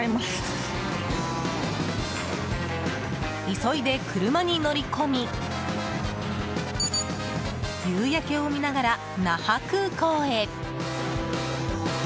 急いで車に乗り込み夕焼けを見ながら那覇空港へ。